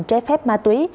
trái phép ma túy